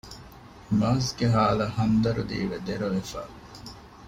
މާޒްގެ ހާލަށް ހަމްދަރުދީވެ ދެރަވެފަ